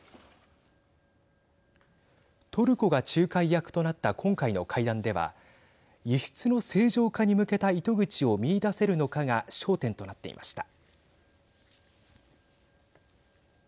トルコが仲介役となった今回の会談では輸出の正常化に向けた糸口を見いだせるのかが焦点となっていました。